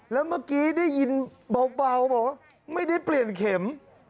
แล้วเมื่อกี้ได้ยินเบาบอกว่าไม่ได้เปลี่ยนเข็ม